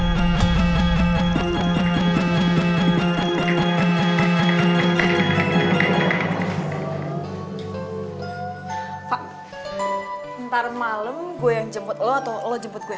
ntar malam gue yang jemput lo atau lo jemput gue